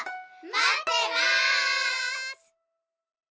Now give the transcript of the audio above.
まってます！